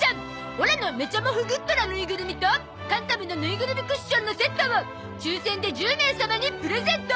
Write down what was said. オラのめちゃもふぐっとなぬいぐるみとカンタムのぬいぐるみクッションのセットを抽選で１０名様にプレゼント！